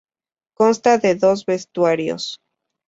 Consta de dos vestuarios.